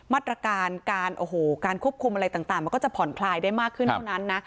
มาตรการการโอ้โหการควบคุมอะไรต่างมันก็จะผ่อนคลายได้มากขึ้นเท่านั้นนะ